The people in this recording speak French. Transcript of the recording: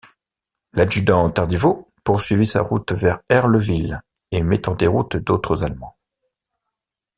L’adjudant Tardiveau poursuit sa route vers Herleville et met en déroute d’autres Allemands.